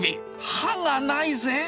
歯が無いぜ。